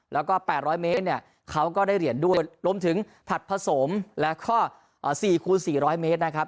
แล้วก็๘๐๐เมตรเนี่ยเขาก็ได้เหรียญด้วยรวมถึงผัดผสมแล้วก็๔คูณ๔๐๐เมตรนะครับ